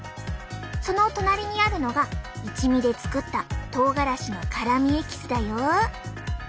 その隣にあるのが一味で作ったとうがらしの辛みエキスだよ。